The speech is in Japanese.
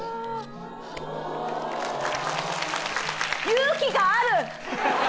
勇気がある。